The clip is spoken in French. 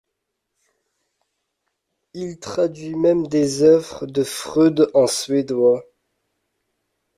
Il traduit même des œuvres de Freud en suédois.